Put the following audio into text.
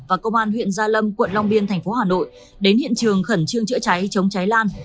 và công an huyện gia lâm quận long biên thành phố hà nội đến hiện trường khẩn trương chữa cháy chống cháy lan